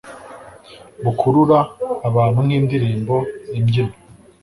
bukurura abantu nk'indirimbo, imbyino